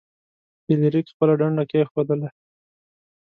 فلیریک خپله ډنډه کیښودله.